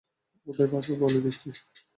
কোথায় পাবে বলে দিচ্ছি।